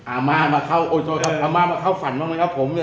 อามามาเข้าโอ้โชค่ะอามามาเข้าฝันบ้างนะครับผม